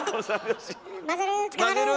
混ぜる